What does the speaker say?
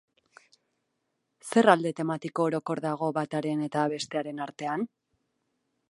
Zer alde tematiko orokor dago bataren eta bestearen artean?